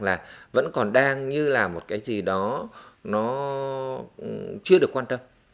là vẫn còn đang như là một cái gì đó nó chưa được quan tâm